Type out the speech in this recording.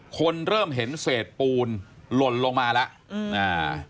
คนเริ่มเห็นเศษปูนหล่นลงมาแล้วอืมอ่า